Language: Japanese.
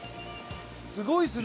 すごいですね！